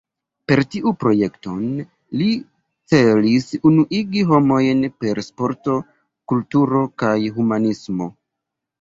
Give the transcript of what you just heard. Per tiu projekton, li celis “Unuigi homojn per Sporto, Kulturo kaj Humanismo“.